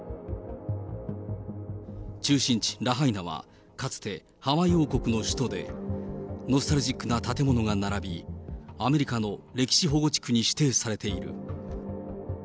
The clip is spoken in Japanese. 中心地、ラハイナはかつてハワイ王国の首都で、ノスタルジックな建物が並び、アメリカの歴史保護地区に指定されている。